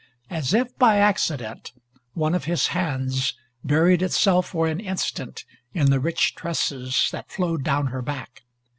As if by accident one of his hands buried itself for an instant in the rich tresses that flowed down her back.